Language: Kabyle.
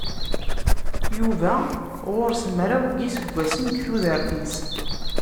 Yuba ɣur-s mraw n yiseggasen deg tudert-is.